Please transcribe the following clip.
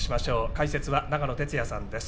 解説は長野哲也さんです。